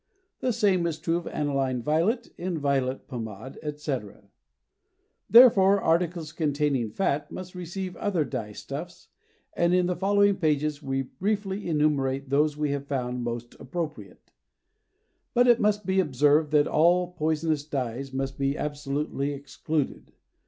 The same is true of aniline violet in violet pomade, etc. Therefore, articles containing fat must receive other dye stuffs, and in the following pages we briefly enumerate those we have found most appropriate; but it must be observed that all poisonous dyes must be absolutely excluded.